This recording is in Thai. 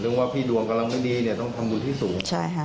นึกว่าพี่ดวงกำลังไม่ดีต้องทำบุญที่สูง